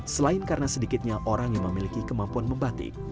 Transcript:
selain karena sedikitnya orang yang memiliki kemampuan membatik